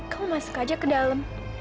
kamu masuk aja ke dalam